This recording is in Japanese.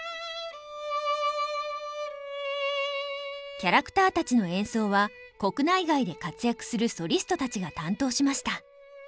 キャラクターたちの演奏は国内外で活躍するソリストたちが担当しました。